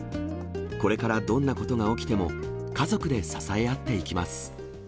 これからどんなことが起きても、家族で支え合っていきます。